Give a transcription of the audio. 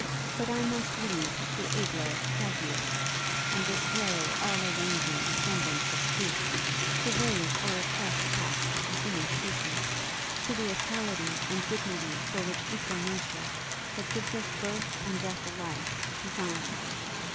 But I must leave to abler casuists, and the slow, all arranging ascendence of truth, to raise our oppressed half of the human species, to the equality and dignity for which equal Nature, that gives us Birth and Death alike, designs us.